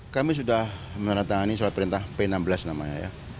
kami sudah menandatangani surat perintah p enam belas namanya ya